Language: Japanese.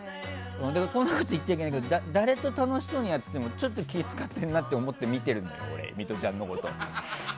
こんなこと言っちゃいけないけど誰と楽しそうにやっててもちょっと気を使ってるなと思ってミトちゃんを見てるのよ。